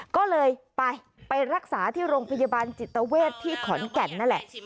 ก็เลยไปไปรักษาที่โรงพยาบาลจิตเวทที่ขอนแก่นนั่นแหละ